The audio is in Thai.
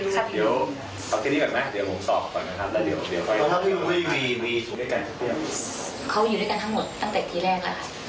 ๑ชาย๓ชายหญิงครับ